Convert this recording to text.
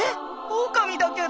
オオカミだけど。